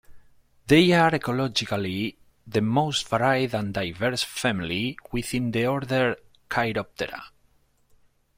They are ecologically the most varied and diverse family within the order Chiroptera.